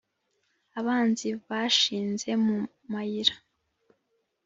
abanzi bashinze mu mayira